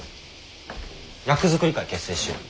役作り会結成しよう。